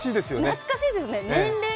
懐かしいですよね。